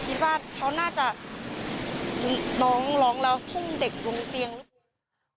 ผมคิดว่าเขาน่าจะน้องร้อนแล้วช่างเด็กรวมบนเตียงไม่ค่ะ